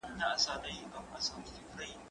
زه پرون لوښي وچوم وم!.